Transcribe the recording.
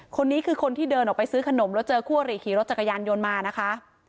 คนนี้คือคนที่เดินออกไปซื้อขนมแล้วเจอคู่อริขี่รถจักรยานยนต์มานะคะ